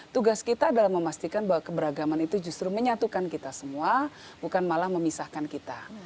tugas kita adalah memastikan bahwa keberagaman itu justru menyatukan kita semua bukan malah memisahkan kita